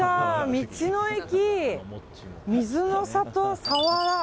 道の駅、水の郷さわら。